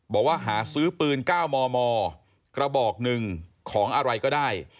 บอกว่าหาซื้อปืน๙มมกระบอกหนึ่งของอะไรก็ได้